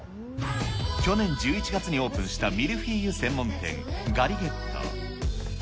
去年１１月にオープンしたミルフィーユ専門店、ガリゲット。